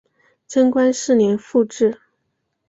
贞观四年复置。